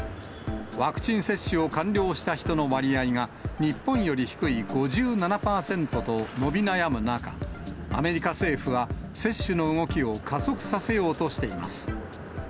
ワクチン接種を完了した人の割合が、日本より低い５７％と伸び悩む中、アメリカ政府は、接種の動きを加速させようとしています。